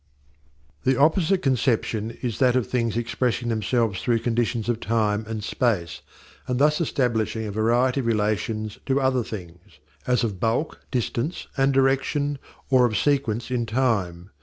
The opposite conception is that of things expressing themselves through conditions of time and space and thus establishing a variety of relations to other things, as of bulk, distance, and direction, or of sequence in time.